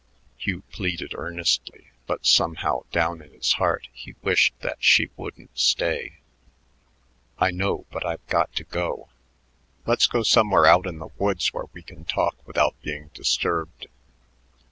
Hugh pleaded earnestly; but somehow down in his heart he wished that she wouldn't stay. "I know, but I've got to go. Let's go somewhere out in the woods where we can talk without being disturbed."